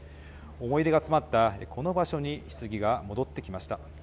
思い出が詰まったこの場所にひつぎが戻ってきました。